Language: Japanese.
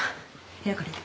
部屋借りる。